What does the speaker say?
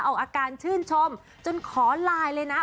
เอาอาการชื่นชมจนขอไลน์เลยนะ